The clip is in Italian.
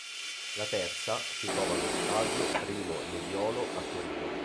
La terza si trova allo stadio Primo Nebiolo a Torino.